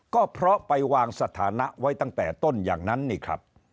ก็เพราะไปวางสถานะไว้ตั้งแต่ต้นอย่างนั้นนี่ครับ